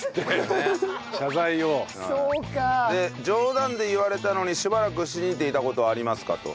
冗談で言われたのにしばらく信じていた事はありますか？と。